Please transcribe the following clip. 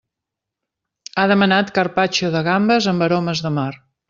Ha demanat carpaccio de gambes amb aromes de mar.